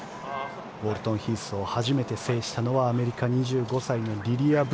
ウォルトンヒースを初めて制したのはアメリカ、２５歳のリリア・ブ。